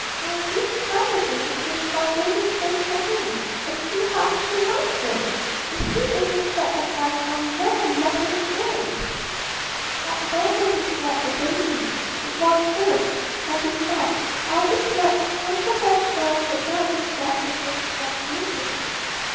I wish somebody would just spoil Baby's face for him, and see how he likes it.... If he isn't slapped at once I'll never love him again!' But nobody slapped the baby it was soothed; and, besides, all the slaps hand could bestow would not bring back the prince's lost beauty.